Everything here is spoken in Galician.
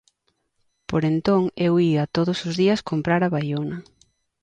Por entón eu ía todos os días comprar a Baiona.